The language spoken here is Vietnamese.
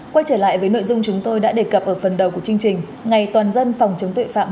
quay trở lại với nội dung chúng tôi đã đề cập ở phần đầu của chương trình ngày toàn dân phòng chống tuệ phạm mua bán người